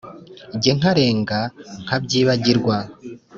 jye nkarenga nkabyibagirwa